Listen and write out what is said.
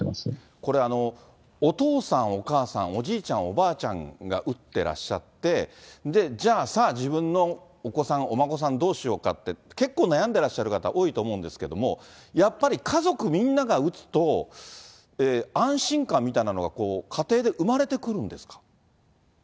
これ、お父さん、お母さん、おじいちゃん、おばあちゃんが打ってらっしゃって、じゃあさあ、自分のお子さん、お孫さん、どうしようかって、結構悩んでらっしゃる方多いと思うんですけれども、やっぱり家族みんなが打つと、安心感みたいなのが家庭で生まれてくるんですか？